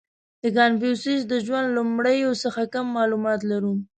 • د کنفوسیوس د ژوند لومړیو څخه کم معلومات لرو.